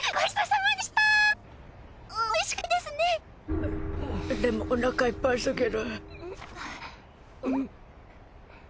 うんでもおなかいっぱいすぎる。